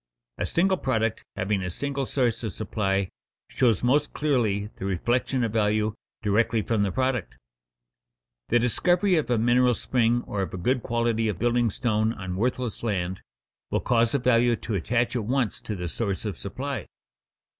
_ A single product having a single source of supply shows most clearly the reflection of value directly from the product. The discovery of a mineral spring or of a good quality of building stone on worthless land, will cause a value to attach at once to the source of supply.